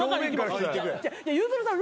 ゆずるさん